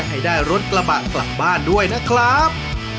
ให้ได้รถกระบะกลับบ้านด้วยนะครับ